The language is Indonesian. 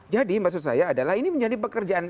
jadi maksud saya adalah ini menjadi pekerjaan